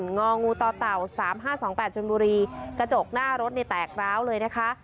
งองูต่อเต่าสามห้าสองแปดชนบุรีกระจกหน้ารถในแตกร้าวเลยนะคะ